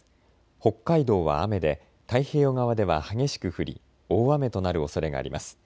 北海道は雨で太平洋側では激しく降り大雨となるおそれがあります。